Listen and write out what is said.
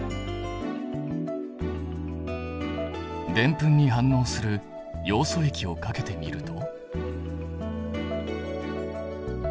デンプンに反応するヨウ素液をかけてみると。